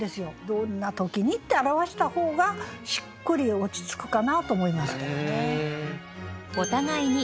どんな時にって表した方がしっくり落ち着くかなと思いました。